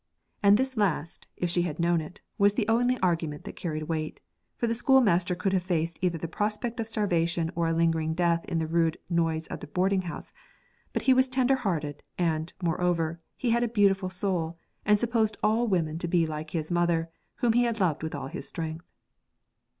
And this last, if she had but known it, was the only argument that carried weight, for the schoolmaster could have faced either the prospect of starvation or a lingering death in the rude noise of a boarding house; but he was tender hearted, and, moreover, he had a beautiful soul, and supposed all women to be like his mother, whom he had loved with all his strength.